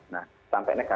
nah sampai negatif